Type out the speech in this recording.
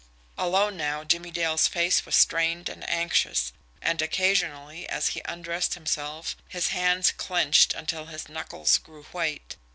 Alone now, Jimmie Dale's face was strained and anxious and, occasionally, as he undressed himself, his hands clenched until his knuckles grew white.